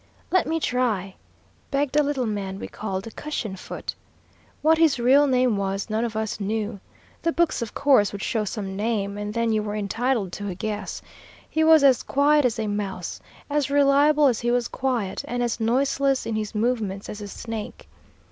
"Let me try," begged a little man we called "Cushion foot." What his real name was none of us knew. The books, of course, would show some name, and then you were entitled to a guess. He was as quiet as a mouse, as reliable as he was quiet, and as noiseless in his movements as a snake.